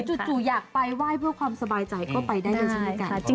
หรือจู่อยากไปไหว้เพื่อความสบายใจก็ไปได้เลยใช่ไหมกัน